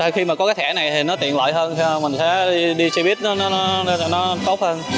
khi mà có cái thẻ này thì nó tiện lợi hơn mình sẽ đi xe buýt nó tốt hơn